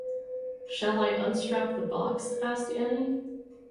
“Shall I unstrap the box?” asked Annie.